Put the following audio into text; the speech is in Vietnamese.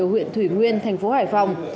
một mươi ở huyện thủy nguyên thành phố hải phòng